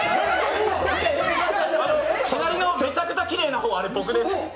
隣のめちゃくちゃきれいな方僕です。